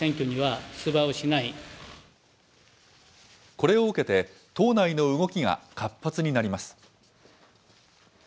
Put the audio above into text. これを受けて、党内の動きが活発になります。